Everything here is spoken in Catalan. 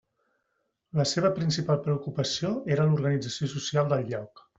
La seva principal preocupació era l'organització social del lloc.